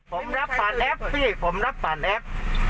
ผมรับสารแอปสิผมรับสารแอป